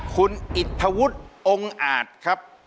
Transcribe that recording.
คุณอิฐวุธองอาจครับ